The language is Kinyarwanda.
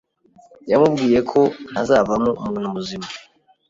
yamubwiye ko ntazavamo umuntu muzima,